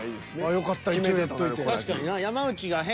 よかった一応やっといて。